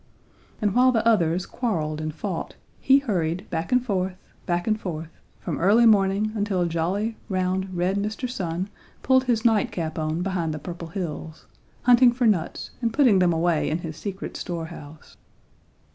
And while the others quarreled and fought, he hurried back and forth, back and forth, from early morning until jolly, round, red Mr. Sun pulled his night cap on behind the Purple Hills, hunting for nuts and putting them away in his secret store house.